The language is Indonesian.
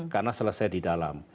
karena selesai di dalam